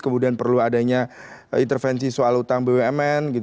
kemudian perlu adanya intervensi soal utang bumn